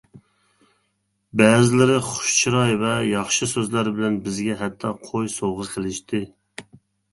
بەزىلىرى خۇش چىراي ۋە ياخشى سۆزلەر بىلەن بىزگە ھەتتا قوي سوۋغا قىلىشتى.